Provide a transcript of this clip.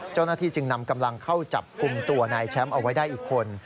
เจ้าหน้าที่จึงนำกำลังเข้าจับกลุ่มตัวนายแชมป์เอาไว้ได้อีกคน